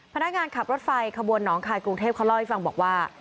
พนักงานขับรถไฟขบวนหนองคายกรุงเทพเขาเล่าให้ฟังบอกว่า